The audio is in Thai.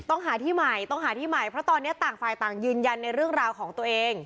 ต้องหาที่ใหม่ต้องหาที่ใหม่เพราะตอนนี้ต่างฝ่ายต่างยืนยันในเรื่องราวของตัวเอง